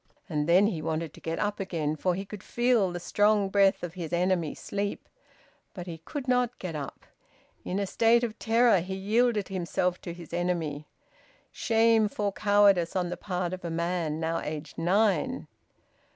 And then he wanted to get up again, for he could feel the strong breath of his enemy, sleep. But he could not get up. In a state of terror he yielded himself to his enemy. Shameful cowardice on the part of a man now aged nine!